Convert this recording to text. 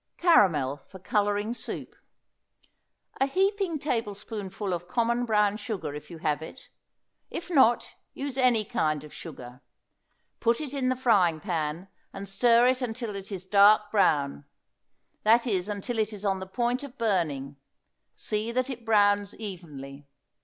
CARAMEL FOR COLORING SOUP. A heaping tablespoonful of common brown sugar if you have it; if not, use any kind of sugar; put it in the frying pan and stir it until it is dark brown; that is, until it is on the point of burning; see that it browns evenly.